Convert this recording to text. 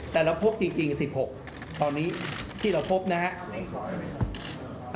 แต่เราพบจริง๑๖ตอนนี้ที่เราพบนะครับ